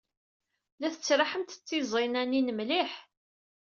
La tettraḥemt d tiẓinanin mliḥ.